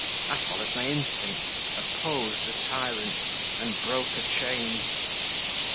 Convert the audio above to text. I followed my instinct, opposed a tyrant, and broke a chain."